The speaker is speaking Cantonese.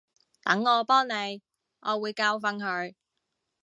等我幫你，我會教訓佢